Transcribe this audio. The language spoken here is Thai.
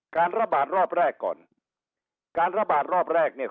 การระบาดรอบแรกก่อนการระบาดรอบแรกเนี่ย